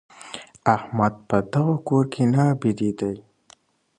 احمد په دغه کور کي نه بېدېدی.